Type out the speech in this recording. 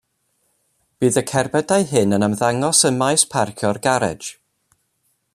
Bydd y cerbydau hyn yn ymddangos ym maes parcio'r garej.